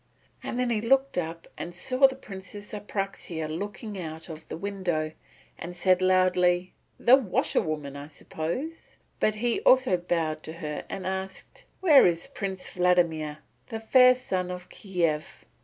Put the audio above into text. Then he looked up and saw the Princess Apraxia looking out of the window and said out loudly, "The washerwoman, I suppose." But he also bowed to her and asked, "Where is Prince Vladimir, the Fair Sun of Kiev?"